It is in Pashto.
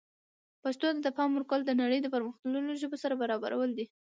پښتو ته د پام ورکول د نړۍ د پرمختللو ژبو سره برابرول دي.